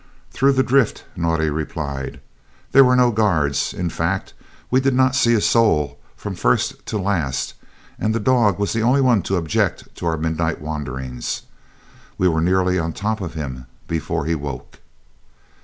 "Through the drift," Naudé replied. "There were no guards in fact, we did not see a soul from first to last, and the dog was the only one to object to our midnight wanderings. We were nearly on top of him before he woke."